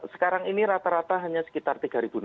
sekarang ini rata rata hanya sekitar tiga enam ratus